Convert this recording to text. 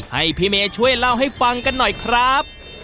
ให้พี่เมย์ช่วยเล่าให้ฟังกันหน่อยครับ